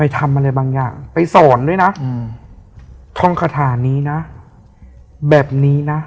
ท่องคาถานี้นะแบบนี้นะ